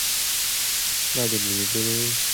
真正沒落大概去到清朝